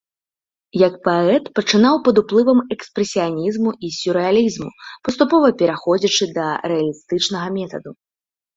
Як паэт пачынаў пад уплывам экспрэсіянізму і сюррэалізму, паступова пераходзячы да рэалістычнага метаду.